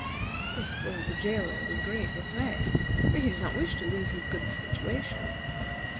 This filled the jailer with great dismay, for he did not wish to lose his good situation.